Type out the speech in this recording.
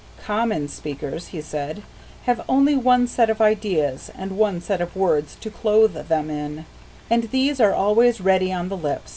"Common speakers," he said, "have only one set of ideas, and one set of words to clothe them in," and these are always ready on the lips.